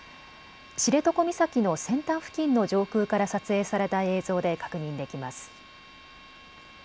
知床岬の先端付近の上空から撮影された映像で確認できます。